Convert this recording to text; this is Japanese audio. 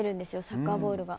サッカーボールが。